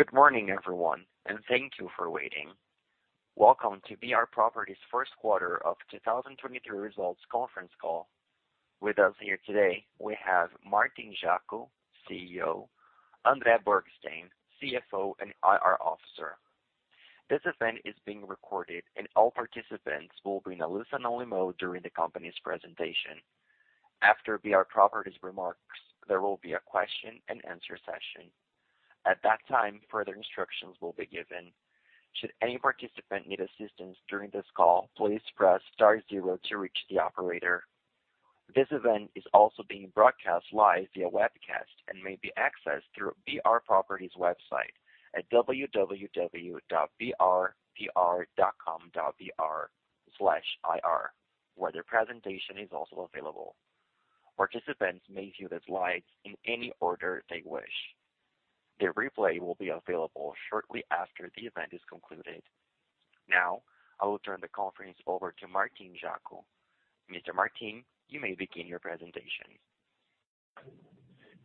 Good morning, everyone, and thank you for waiting. Welcome to BR Properties first quarter of 2023 results conference call. With us here today we have Martín Jaco, CEO, André Bergstein, CFO and IR officer. This event is being recorded, and all participants will be in a listen only mode during the company's presentation. After BR Properties remarks, there will be a question and answer session. At that time, further instructions will be given. Should any participant need assistance during this call, please press star zero to reach the operator. This event is also being broadcast live via webcast and may be accessed through BR Properties website at www.brpr.com.br/ir, where the presentation is also available. Participants may view the slides in any order they wish. The replay will be available shortly after the event is concluded. Now, I will turn the conference over to Martín Jaco. Mr. Martín, you may begin your presentation.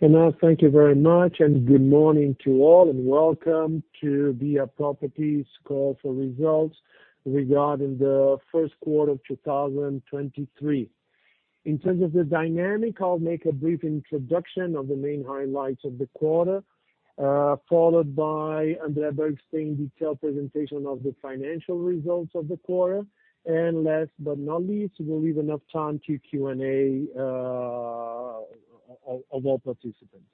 Renan, thank you very much and good morning to all and welcome to BR Properties call for results regarding the first quarter of 2023. In terms of the dynamic, I'll make a brief introduction of the main highlights of the quarter, followed by André Bergstein detailed presentation of the financial results of the quarter. Last but not least, we'll leave enough time to Q&A of all participants.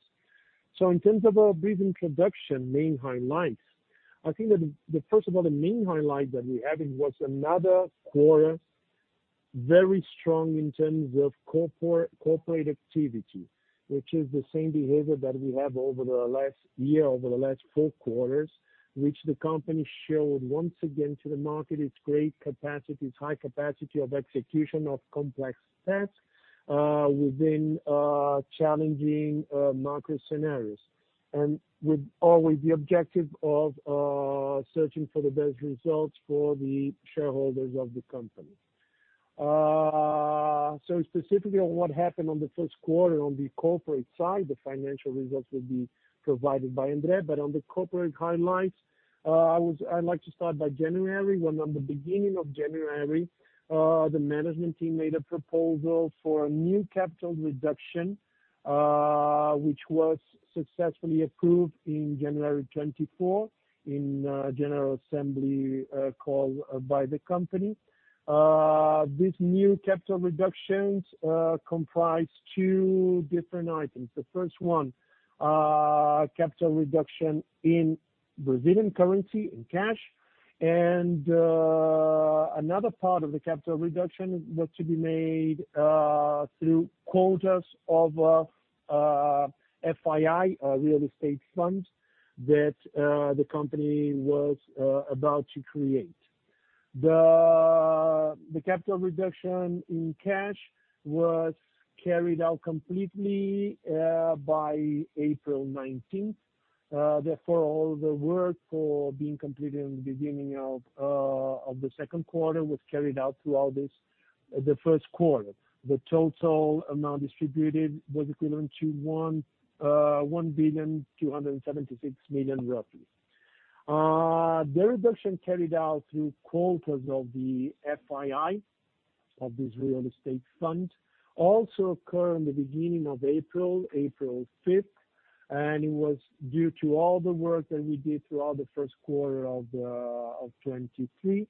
In terms of our brief introduction, main highlights. I think that the first of all, the main highlight that we're having was another quarter very strong in terms of corporate activity, which is the same behavior that we have over the last year, over the last four quarters, which the company showed once again to the market its great capacity, its high capacity of execution of complex tasks, within challenging market scenarios, and with always the objective of searching for the best results for the shareholders of the company. Specifically on what happened on the 1st quarter on the corporate side, the financial results will be provided by André. On the corporate highlights, I'd like to start by January, when on the beginning of January, the management team made a proposal for a new capital reduction, which was successfully approved in January 24th in general assembly called by the company. This new capital reductions comprise two different items. The first one, capital reduction in Brazilian currency, in cash. Another part of the capital reduction was to be made through quotas of FII Real Estate Funds that the company was about to create. The capital reduction in cash was carried out completely by April 19th. Therefore, all the work for being completed in the beginning of the second quarter was carried out throughout the first quarter. The total amount distributed was equivalent to 1.276 billion roughly. The reduction carried out through quotas of the FII of this real estate fund also occurred in the beginning of April 5th, and it was due to all the work that we did throughout the first quarter of 2023.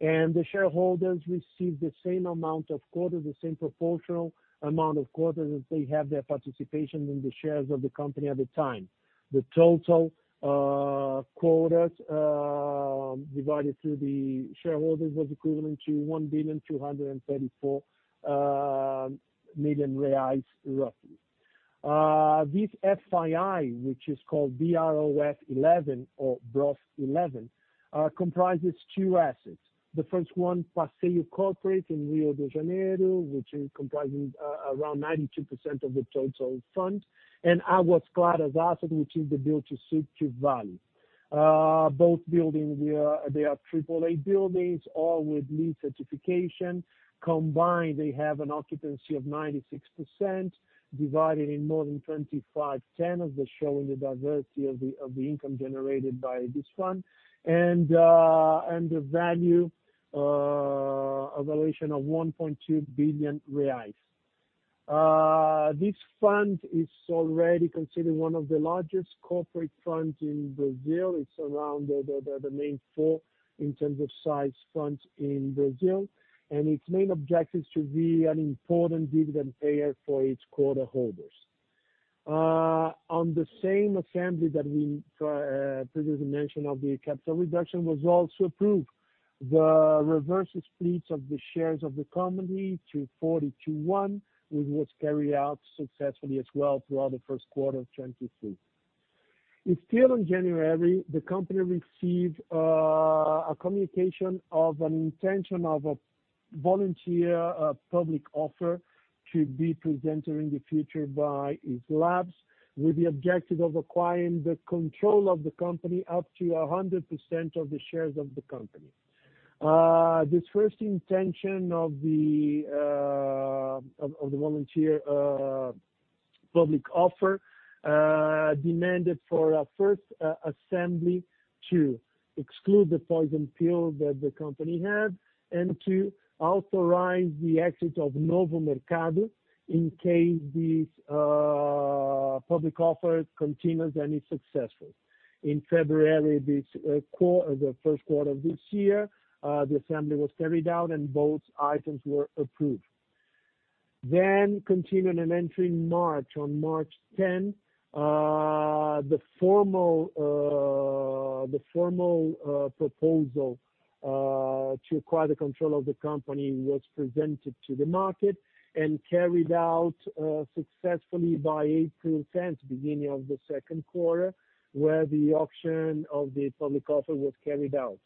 The shareholders received the same amount of quota, the same proportional amount of quota that they have their participation in the shares of the company at the time. The total quotas divided through the shareholders was equivalent to 1.234 billion reais roughly. This FII which is called BROF11 or BROF11, comprises two assets. The first one, Passeio Corporate in Rio de Janeiro, which is comprising around 92% of the total fund, and Águas Claras asset, which is the build to suit to value. Both building they are triple A buildings, all with LEED certification. Combined, they have an occupancy of 96% divided in more than 25 ten of the showing the diversity of the income generated by this fund. The value, a valuation of 1.2 billion reais. This fund is already considered one of the largest corporate funds in Brazil. It's around the main four in terms of size funds in Brazil, and its main objective is to be an important dividend payer for its quota holders. On the same assembly that we previous mention of the capital reduction was also approved. The reverse split of the shares of the company to 42-1, which was carried out successfully as well throughout the first quarter of 2023. Still on January, the company received a communication of an intention of a volunteer public offer to be presented in the future by Slabs Investimentos with the objective of acquiring the control of the company up to 100% of the shares of the company. This first intention of the public offer demanded for a first assembly to exclude the poison pill that the company had and to authorize the exit of Novo Mercado in case this public offer continues and is successful. In February, this the first quarter of this year, the assembly was carried out and both items were approved. Continuing and entering March, on March 10, the formal proposal to acquire the control of the company was presented to the market and carried out successfully by April 10, beginning of the second quarter, where the auction of the public offer was carried out.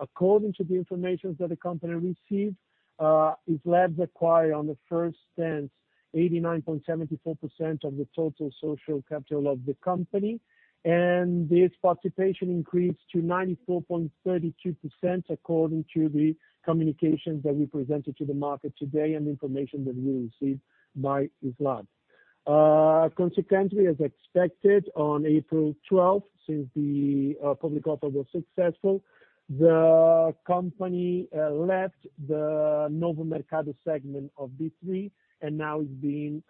According to the informations that the company received, Slabs acquired on the first 10th 89.74% of the total social capital of the company. This participation increased to 94.32% according to the communications that we presented to the market today and the information that we received by Slabs. Consequently, as expected on April 12, since the public offer was successful, the company left the Novo Mercado segment of B3, and now is being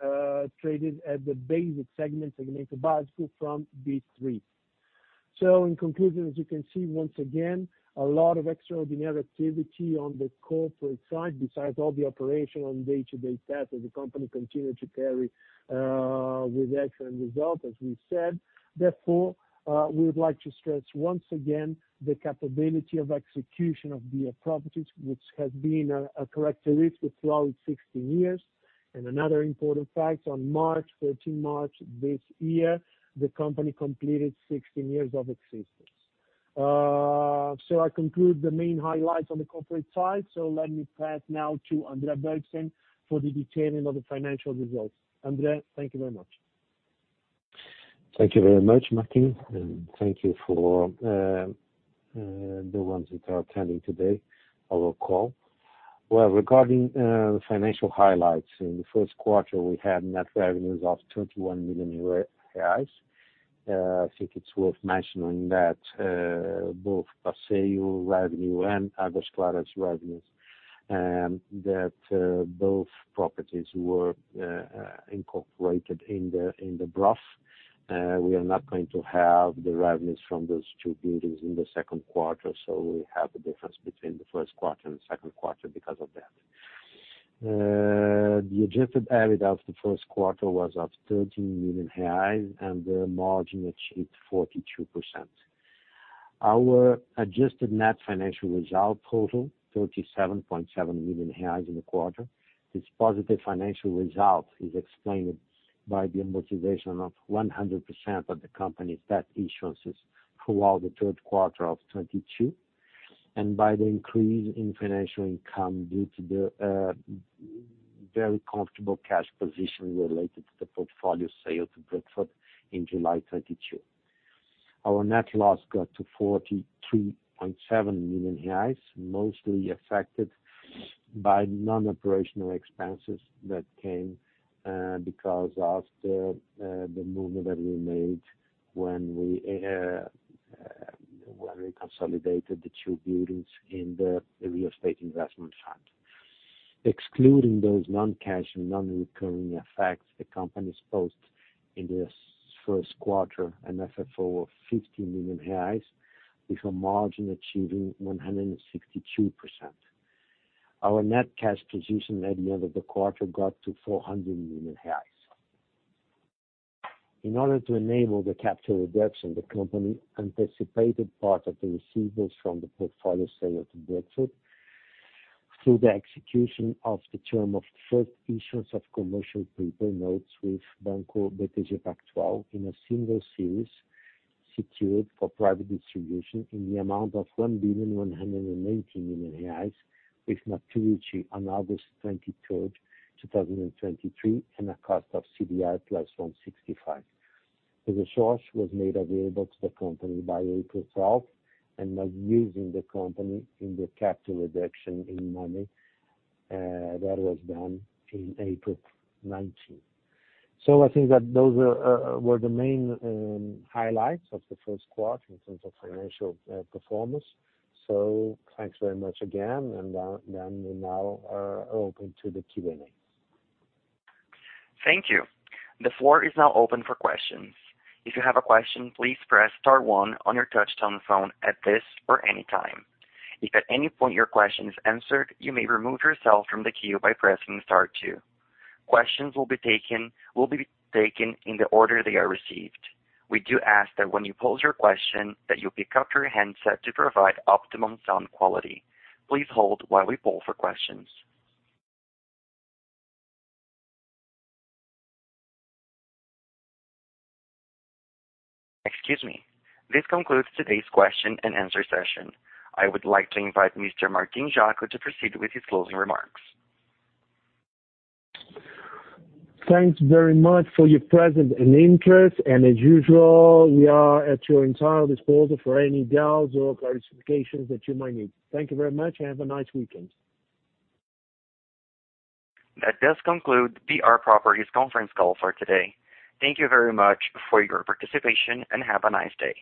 traded at the basic segment, Segmento Básico, from B3. In conclusion, as you can see, once again, a lot of extraordinary activity on the corporate side besides all the operation on day-to-day tasks that the company continued to carry, with excellent result as we said. We would like to stress once again the capability of execution of BR Properties, which has been a characteristic throughout 16 years. Another important fact, on 13th March this year, the company completed 16 years of existence. I conclude the main highlights on the corporate side. Let me pass now to André Bergstein for the detailing of the financial results. André, thank you very much. Thank you very much, Martín, thank you for the ones that are attending today our call. Well, regarding the financial highlights, in the first quarter we had net revenues of BRL 21 million. I think it's worth mentioning that both Passeio revenue and Águas Claras revenues, that both properties were incorporated in the BRAS. We are not going to have the revenues from those two buildings in the second quarter. We have the difference between the first quarter and second quarter because of that. The Adjusted EBITDA of the first quarter was of 13 million reais, the margin achieved 42%. Our adjusted net financial result total 37.7 million reais in the quarter. This positive financial result is explained by the amortization of 100% of the company's debt issuances throughout the third quarter of 2022, and by the increase in financial income due to the very comfortable cash position related to the portfolio sale to Brookfield in July 2022. Our net loss got to 43.7 million, mostly affected by non-operational expenses that came because of the movement that we made when we consolidated the two buildings in the real estate investment fund. Excluding those non-cash and non-recurring effects, the companies post in this first quarter an FFO of 50 million reais with a margin achieving 162%. Our net cash position at the end of the quarter got to 400 million reais. In order to enable the capital reduction, the company anticipated part of the receivables from the portfolio sale to Brookfield through the execution of the term of first issuance of commercial paper notes with Banco BTG Pactual in a single series secured for private distribution in the amount of 1.19 billion, with maturity on August 23, 2023, and a cost of CDI + 1.65%. The resource was made available to the company by April 12 and was used in the company in the capital reduction in money, that was done in April 19. I think that those were the main highlights of the first quarter in terms of financial performance. Thanks very much again. Now, then we now are open to the Q&A. Thank you. The floor is now open for questions. If you have a question, please press star one on your touchtone phone at this or any time. If at any point your question is answered, you may remove yourself from the queue by pressing star two. Questions will be taken in the order they are received. We do ask that when you pose your question that you pick up your handset to provide optimum sound quality. Please hold while we poll for questions. Excuse me. This concludes today's question and answer session. I would like to invite Mr. Martín Jaco to proceed with his closing remarks. Thanks very much for your presence and interest. As usual, we are at your entire disposal for any doubts or clarifications that you might need. Thank you very much. Have a nice weekend. That does conclude the BR Properties conference call for today. Thank you very much for our participation. Have a nice day.